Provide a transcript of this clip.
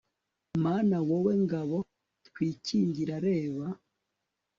mana, wowe ngabo twikingira, reba